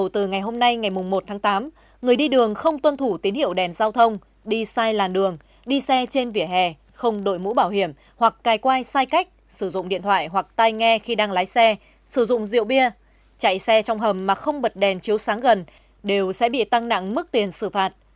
từ ngày hôm nay ngày một tháng tám người đi đường không tuân thủ tín hiệu đèn giao thông đi sai làn đường đi xe trên vỉa hè không đội mũ bảo hiểm hoặc cài quay sai cách sử dụng điện thoại hoặc tai nghe khi đang lái xe sử dụng rượu bia chạy xe trong hầm mà không bật đèn chiếu sáng gần đều sẽ bị tăng nặng mức tiền xử phạt